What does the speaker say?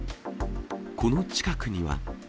この近くには。